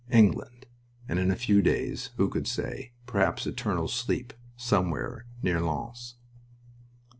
England!... And in a few days who could say? perhaps eternal sleep somewhere near Lens.